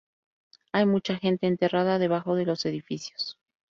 Hay mucha gente enterrada debajo de los edificios.